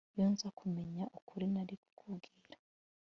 iyo nza kumenya ukuri, nari kukubwira